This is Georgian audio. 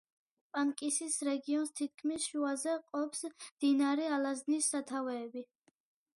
პანკისის რეგიონს თითქმის შუაზე ჰყოფს მდინარე ალაზნის სათავეები.